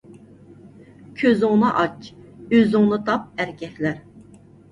كۆزۈڭنى ئاچ، ئۆزۈڭنى تاپ ئەركەكلەر